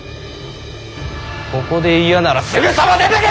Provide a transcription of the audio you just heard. ここで嫌ならすぐさま出ていけ！